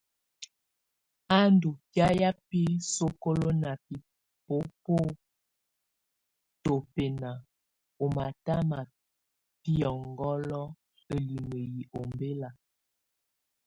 A ndù biàya bi sokolo ná bibobo tabɔnɛna ú mata ma bɔ̀aŋgolo ǝlimǝ yɛ ɔmbɛla.